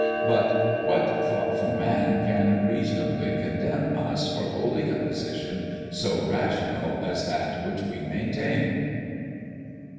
But what thoughtful man can reasonably condemn us for holding a position so rational as that which we maintained?